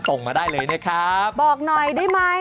ส่งมาได้เลยนะครับบอกหน่อยได้ไหม